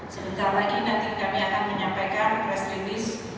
sebentar lagi nanti kami akan menyampaikan press release